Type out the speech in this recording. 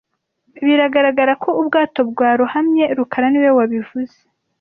Biragaragara ko ubwato bwarohamye rukara niwe wabivuze